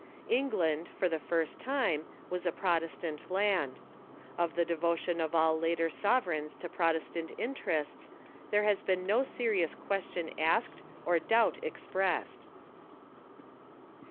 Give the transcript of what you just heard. England, for the first time, was a Protestant land. Of the devotion of all later sovereigns to Protestant interests there has been no serious question asked or doubt expressed.